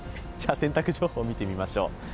洗濯情報を見てみましょう。